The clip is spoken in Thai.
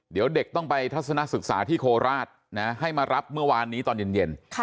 เดี๋ยวเด็กต้องไปทัศนศึกษาที่โคราชให้มารับเมื่อวานนี้ตอนเย็น